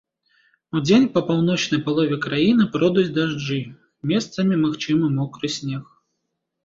Удзень па паўночнай палове краіны пройдуць дажджы, месцамі магчымы мокры снег.